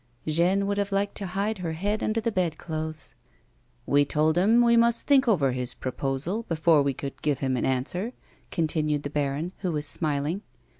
Jeanne would have lilied to hide her head under the bed clothes. " We told him we must think over his proposal before we could give him an answer/' continued the baron, who was smiling.